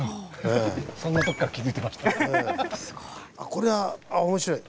これは面白い！